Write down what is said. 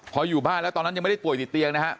พออยู่บ้านแล้วตอนนั้นยังไม่ได้ป่วยติดเตียงนะฮะ